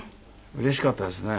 うれしかったですね。